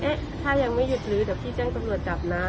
เอ๊ะถ้ายังไม่หยุดหรือแต่พี่แจ้งสำรวจจับนะ